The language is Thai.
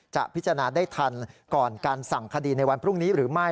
จะพิจารณาได้ทันก่อนการสั่งคดีในวันพรุ่งนี้หรือไม่